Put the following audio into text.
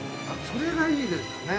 ◆それがいいですね。